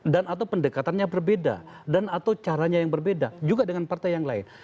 dan atau pendekatannya berbeda dan atau caranya yang berbeda juga dengan partai yang lain